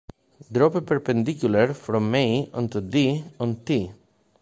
Drop a perpendicular from "A" onto "D" on "t".